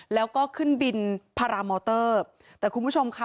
แล้วก็ขึ้นบินพารามอเตอร์แต่คุณผู้ชมค่ะ